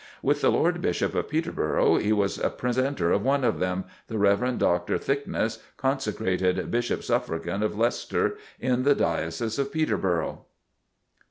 With the Lord Bishop of Peterborough, he was presenter of one of them, the Rev. Dr. Thicknesse, consecrated Bishop Suffragan of Leicester, in the Diocese of Peterborough.